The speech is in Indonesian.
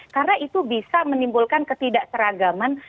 karena itu bisa menimbulkan ketidak seragaman